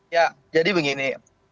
ya jadi begini